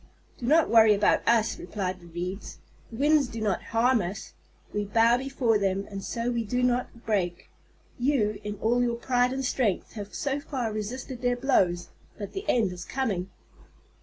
"Do not worry about us," replied the Reeds. "The winds do not harm us. We bow before them and so we do not break. You, in all your pride and strength, have so far resisted their blows. But the end is coming."